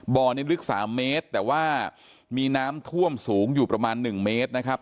บ่อนี้ลึก๓เมตรแต่ว่ามีน้ำท่วมสูงอยู่ประมาณ๑เมตรนะครับ